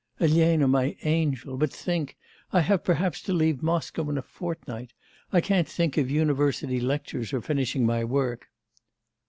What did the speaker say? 'Elena, my angel!.. but think, I have, perhaps, to leave Moscow in a fortnight. I can't think of university lectures, or finishing my work.